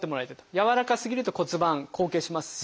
軟らかすぎると骨盤後傾しますし。